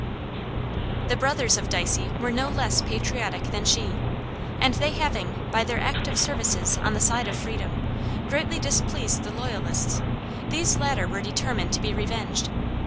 The brothers of Dicey were no less patriotic than she; and they having, by their active services on the side of freedom, greatly displeased the loyalists, these latter were determined to be revenged.